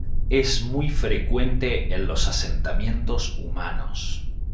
Es muy frecuente en los asentamientos humanos.